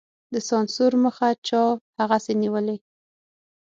د سانسور مخه چا هغسې نېولې.